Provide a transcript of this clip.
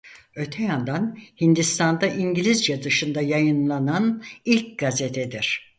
Öte yandan Hindistan'da İngilizce dışında yayımlanan ilk gazetedir.